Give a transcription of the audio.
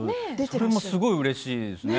これもすごくうれしいですね。